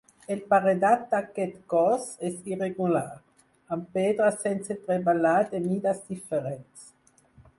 El paredat d'aquest cos és irregular, amb pedra sense treballar de mides diferents.